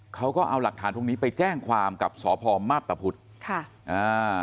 เขาก็เอาหลักฐานตรงนี้ไปแจ้งความกับสพมาพตะพุธค่ะอ่า